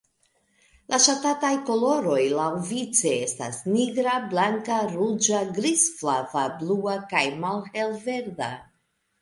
La ŝatataj koloroj laŭvice estas nigra, blanka, ruĝa, grizflava, blua kaj malhelverda.